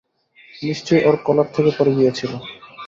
নিশ্চয়ই ওর কলার থেকে পড়ে গিয়েছিল।